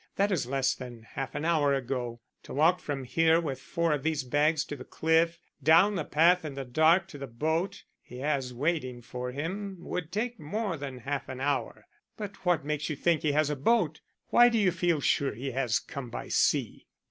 That is less than half an hour ago. To walk from here with four of these bags to the cliff, down the path in the dark to the boat he has waiting for him would take more than half an hour." "But what makes you think he has a boat? Why do you feel sure he has come by sea?"